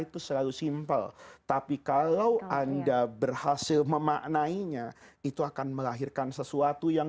itu selalu simple tapi kalau anda berhasil memaknainya itu akan melahirkan sesuatu yang